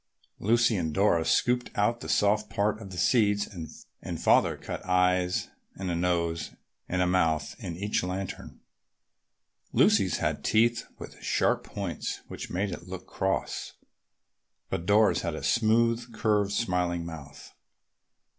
Lucy and Dora scooped out the soft part with the seeds, and Father cut eyes and a nose and a mouth in each lantern. Lucy's had teeth with sharp points, which made it look cross, but Dora's had a smooth, curved, smiling mouth.